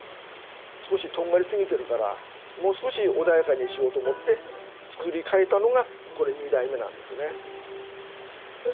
少しとんがりすぎているからもう少し穏やかにしようと思って作り変えたのがこれ二代目なんですよね。